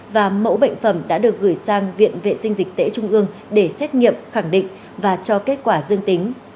và mẫu bệnh phẩm đã được gửi sang viện vệ sinh dịch tễ trung ương để xét nghiệm khẳng định và cho kết quả dương tính